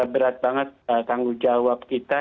berat banget tanggung jawab kita